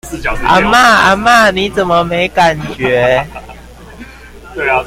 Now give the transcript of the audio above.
阿嬤阿嬤，你怎麼沒感覺？